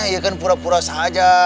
ya kan pura pura saja